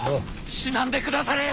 死なんでくだされや！